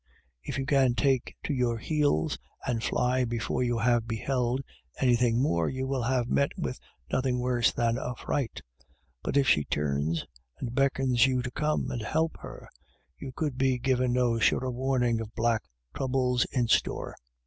If you can take to your heels and fly before you have beheld anything more, you will have met with nothing worse than a fright But if she turns and beckons you to come and help her, you could be given no surer warning of black troubles in store.